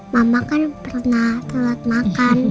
mama kan pernah sholat makan